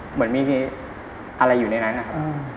เหมือนมีอะไรอยู่ในนั้นนะครับ